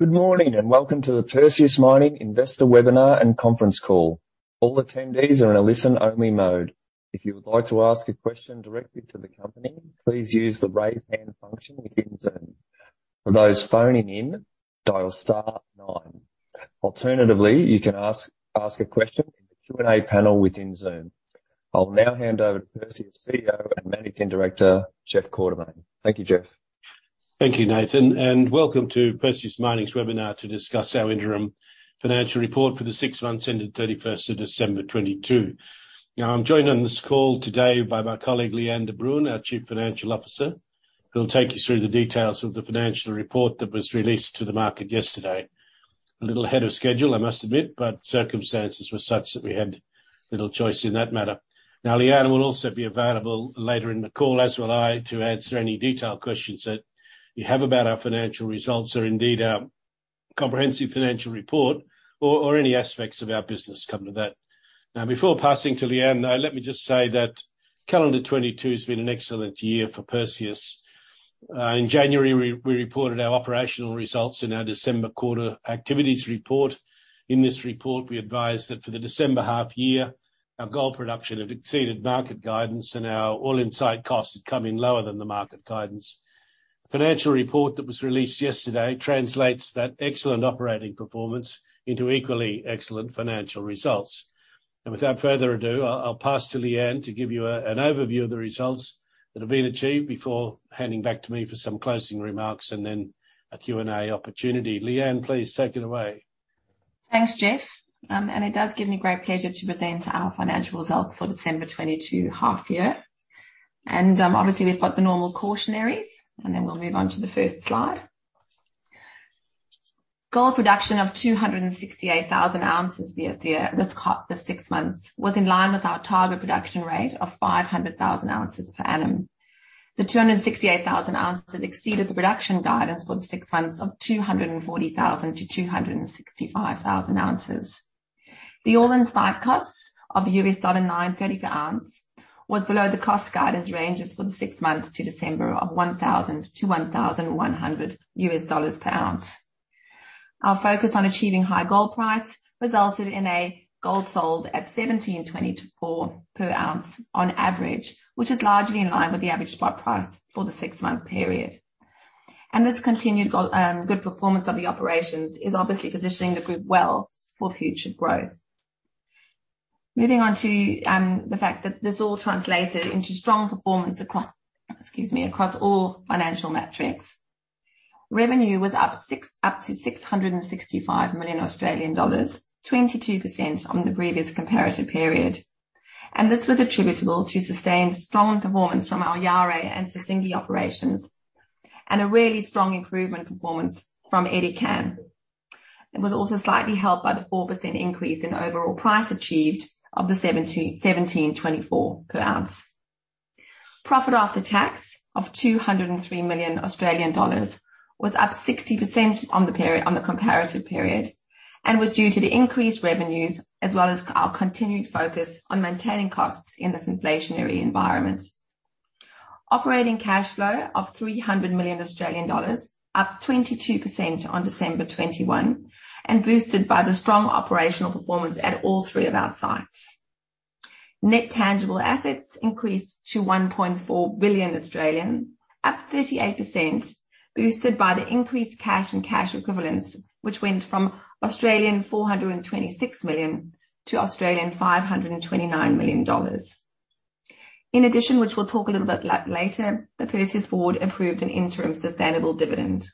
Good morning, welcome to the Perseus Mining investor webinar and conference call. All attendees are in a listen-only mode. If you would like to ask a question directly to the company, please use the raise hand function within Zoom. For those phoning in, dial star nine. Alternatively, you can ask a question in the Q&A panel within Zoom. I'll now hand over to Perseus CEO and Managing Director, Jeff Quartermaine. Thank you, Jeff. Thank you, Nathan. Welcome to Perseus Mining's webinar to discuss our interim financial report for the six months ending 31st of December 2022. I'm joined on this call today by my colleague, Lee-Anne de Bruin, our Chief Financial Officer, who will take you through the details of the financial report that was released to the market yesterday. A little ahead of schedule, I must admit. Circumstances were such that we had little choice in that matter. Lee-Anne will also be available later in the call, as will I, to answer any detailed questions that you have about our financial results, or indeed our comprehensive financial report, or any aspects of our business, come to that. Before passing to Lee-Anne, let me just say that calendar 2022 has been an excellent year for Perseus. In January, we reported our operational results in our December quarter activities report. In this report, we advised that for the December half-year, our gold production had exceeded market guidance and our All-in site costs had come in lower than the market guidance. The financial report that was released yesterday translates that excellent operating performance into equally excellent financial results. Without further ado, I'll pass to Lee-Anne de Bruin to give you an overview of the results that have been achieved before handing back to me for some closing remarks and then a Q&A opportunity. Lee-Anne, please take it away. Thanks, Jeff. It does give me great pleasure to present our financial results for December 2022 half year. Obviously we've got the normal cautionaries, and then we'll move on to the first slide. Gold production of 268,000 ounces this six months, was in line with our target production rate of 500,000 oz per annum. The 268,000 oz exceeded the production guidance for the six months of 240,000-265,000 oz. The All-in site costs of $930 per oz was below the cost guidance ranges for the six months to December of $1,000-$1,100 per oz. Our focus on achieving high gold price resulted in a gold sold at $1,724 per oz on average, which is largely in line with the average spot price for the six-month period. This continued good performance of the operations is obviously positioning the group well for future growth. Moving on to the fact that this all translated into strong performance across all financial metrics. Revenue was up to 665 million Australian dollars, 22% on the previous comparative period. This was attributable to sustained strong performance from our Yaouré and Sissingué operations, and a really strong improvement performance from Edikan. It was also slightly helped by the 4% increase in overall price achieved of the $1,724 per oz. Profit after tax of 203 million Australian dollars was up 60% on the comparative period. Was due to the increased revenues as well as our continued focus on maintaining costs in this inflationary environment. Operating cash flow of 300 million Australian dollars, up 22% on December 2021, boosted by the strong operational performance at all three of our sites. Net tangible assets increased to 1.4 billion, up 38%, boosted by the increased cash and cash equivalents, which went from 426 million-529 million Australian dollars. In addition, which we'll talk a little bit later, the Perseus board approved an interim sustainable dividend.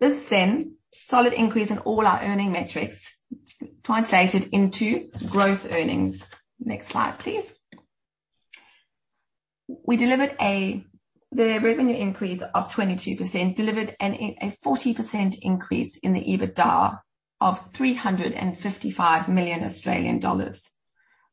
This then solid increase in all our earning metrics translated into growth earnings. Next slide, please. We delivered the revenue increase of 22%, delivered a 40% increase in the EBITDA of 355 million Australian dollars.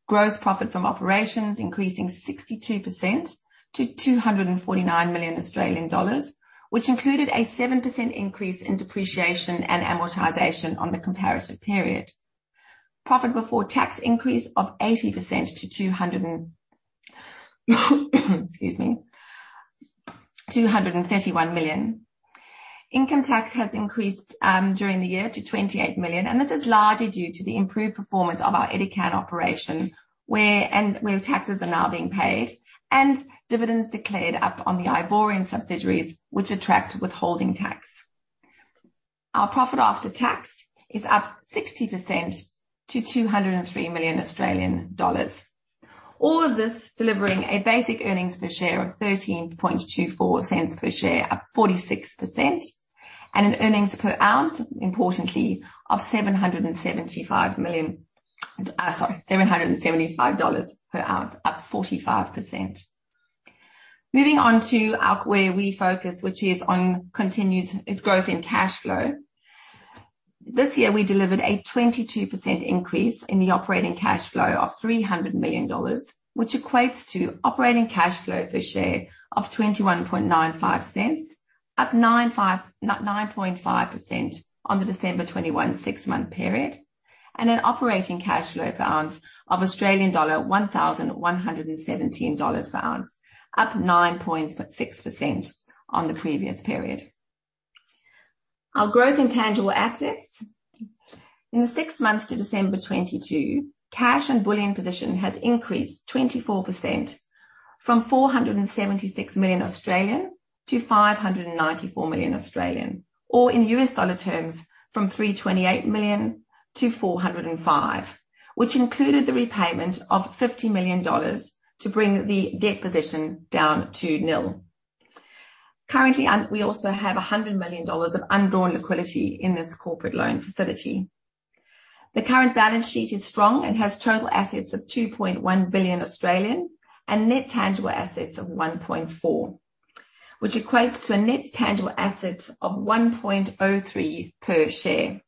Gross profit from operations increasing 62% to 249 million Australian dollars, which included a 7% increase in depreciation and amortization on the comparative period. Profit before tax increase of 80% to 231 million. Income tax has increased during the year to 28 million, and this is largely due to the improved performance of our Edikan operation, where taxes are now being paid, and dividends declared up on the Ivorian subsidiaries, which attract withholding tax. Our profit after tax is up 60% to 203 million Australian dollars. All of this delivering a Basic earnings per share of $0.1324 per share, up 46%. An earnings per ounce, importantly, of $775 per oz, up 45%. Moving on to where we focus, which is on continued is growth in cash flow. This year we delivered a 22% increase in the Operating cash flow of $300 million, which equates to Operating cash flow per share of $0.2195, up 9.5% on the December 2021 six-month period. An Operating cash flow per ounce of Australian dollar 1,117 per oz, up 9.6% on the previous period. Our growth in tangible assets. In the six months to December 2022, cash and bullion position has increased 24% from 476 million to 594 million, or in U.S. dollar terms from $328 million-$405 million, which included the repayment of $50 million to bring the debt position down to nil. Currently, we also have $100 million of undrawn liquidity in this corporate loan facility. The current balance sheet is strong and has total assets of 2.1 billion and net tangible assets of 1.4 billion, which equates to a net tangible assets of 1.03 per share.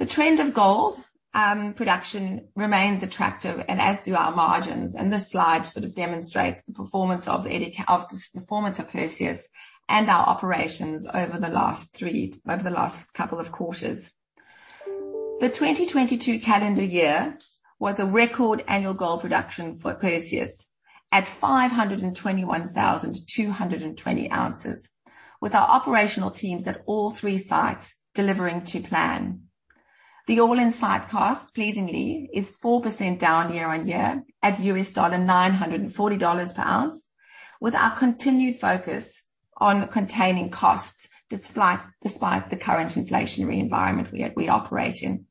The trend of gold production remains attractive and as do our margins, and this slide sort of demonstrates the performance of Perseus and our operations over the last couple of quarters. The 2022 calendar year was a record annual gold production for Perseus at 521,220 oz, with our operational teams at all three sites delivering to plan. The All-in site costs, pleasingly, is 4% down year-on-year at $940 per ounce, with our continued focus on containing costs, despite the current inflationary environment we operate in.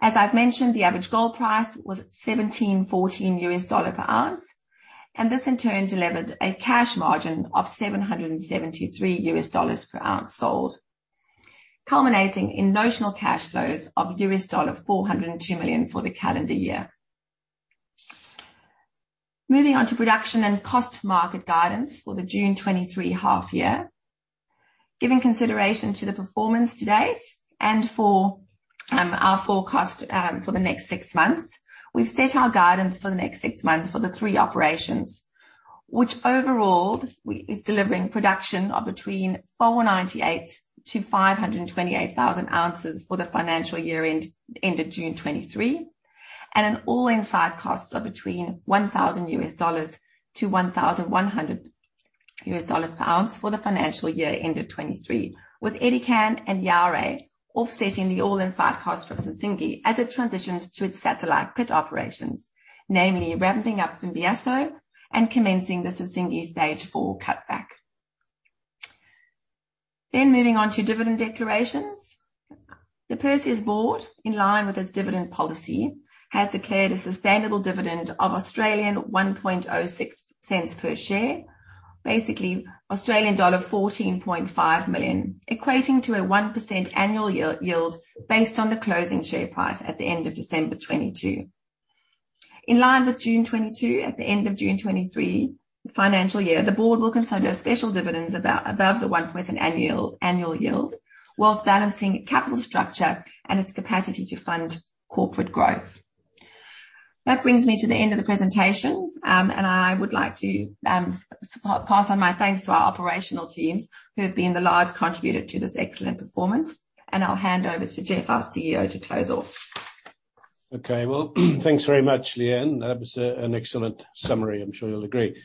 As I've mentioned, the average gold price was $1,714 per oz. This in turn delivered a cash margin of $773 per oz sold, culminating in notional cash flows of $402 million for the calendar year. Moving on to production and cost market guidance for the June 2023 half year. Giving consideration to the performance to date and for our forecast for the next six months, we've set our guidance for the next six months for the three operations, which overall is delivering production of between 498,000-528,000 oz for the financial year end, ended June 2023, and an All-in site costs of between $1,000-$1,100 per oz for the financial year end of 2023, with Edikan and Yaouré offsetting the All-in site costs for Sissingué as it transitions to its satellite pit operations, namely ramping up Fimbiasso and commencing the Sissingué Stage 4 cutback. Moving on to dividend declarations. The Perseus Board, in line with its dividend policy, has declared a sustainable dividend of 0.0106 per share, basically Australian dollar 14.5 million, equating to a 1% annual yield based on the closing share price at the end of December 2022. In line with June 2022, at the end of June 2023 financial year, the Board will consider special dividends above the 1% annual yield whilst balancing capital structure and its capacity to fund corporate growth. That brings me to the end of the presentation, and I would like to pass on my thanks to our operational teams who have been the largest contributor to this excellent performance, and I'll hand over to Jeff, our CEO, to close off. Well, thanks very much, Lee-Anne. That was an excellent summary, I'm sure you'll agree.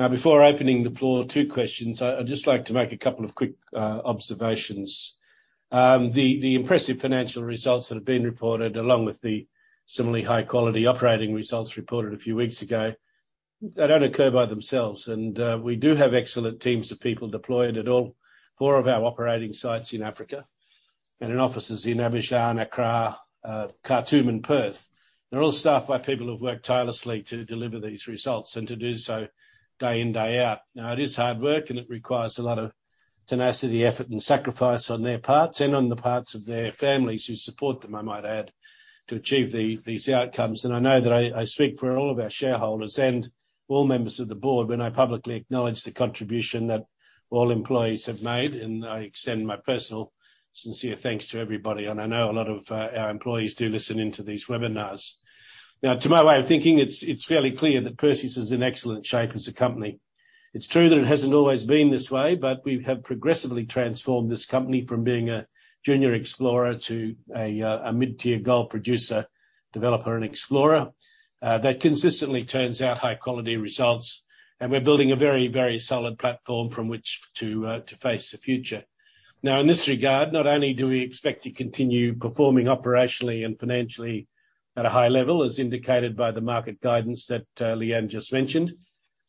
Now, before opening the floor to questions, I'd just like to make a couple of quick observations. The impressive financial results that have been reported, along with the similarly high-quality operating results reported a few weeks ago, they don't occur by themselves. We do have excellent teams of people deployed at all four of our operating sites in Africa and in offices in Abidjan, Accra, Khartoum and Perth. They're all staffed by people who've worked tirelessly to deliver these results and to do so day in, day out. Now, it is hard work, and it requires a lot of tenacity, effort and sacrifice on their parts and on the parts of their families who support them, I might add, to achieve these outcomes. I know that I speak for all of our shareholders and all members of the board when I publicly acknowledge the contribution that all employees have made, and I extend my personal sincere thanks to everybody. I know a lot of our employees do listen in to these webinars. To my way of thinking, it's fairly clear that Perseus is in excellent shape as a company. It's true that it hasn't always been this way, but we have progressively transformed this company from being a junior explorer to a mid-tier gold producer, developer, and explorer that consistently turns out high-quality results. We're building a very, very solid platform from which to face the future. Now, in this regard, not only do we expect to continue performing operationally and financially at a high level, as indicated by the market guidance that Lee-Anne just mentioned,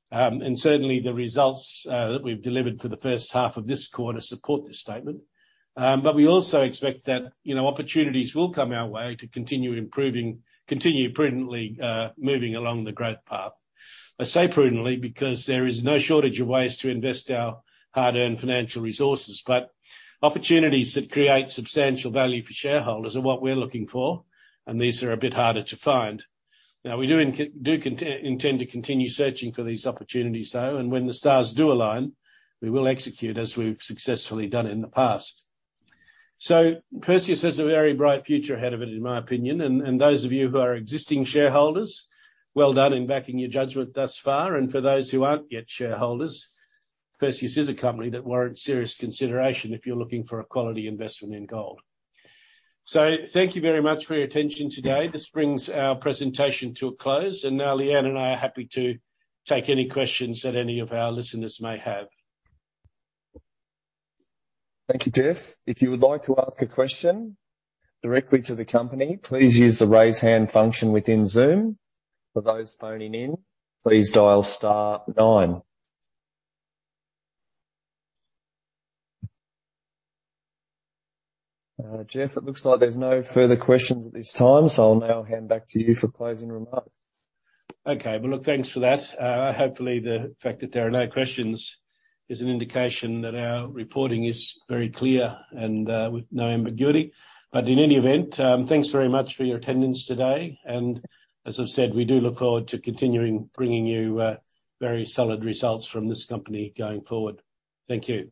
and certainly the results that we've delivered for the first half of this quarter support this statement. We also expect that, you know, opportunities will come our way to continue improving, continue prudently moving along the growth path. I say prudently because there is no shortage of ways to invest our hard-earned financial resources. Opportunities that create substantial value for shareholders are what we're looking for, and these are a bit harder to find. Now, we do intend to continue searching for these opportunities, though, and when the stars do align, we will execute as we've successfully done in the past. Perseus has a very bright future ahead of it, in my opinion. Those of you who are existing shareholders, well done in backing your judgment thus far. For those who aren't yet shareholders, Perseus is a company that warrants serious consideration if you're looking for a quality investment in gold. Thank you very much for your attention today. This brings our presentation to a close, and now Lee-Anne and I are happy to take any questions that any of our listeners may have. Thank you, Jeff. If you would like to ask a question directly to the company, please use the raise hand function within Zoom. For those phoning in, please dial star nine. Jeff, it looks like there's no further questions at this time, so I'll now hand back to you for closing remarks. Okay. Well, look, thanks for that. Hopefully, the fact that there are no questions is an indication that our reporting is very clear and with no ambiguity. In any event, thanks very much for your attendance today. As I've said, we do look forward to continuing bringing you very solid results from this company going forward. Thank you.